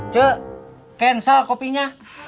cek cancel kopinya